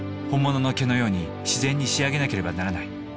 本物の毛のように自然に仕上げなければならない。